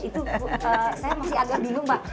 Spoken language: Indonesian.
itu saya masih agak bingung pak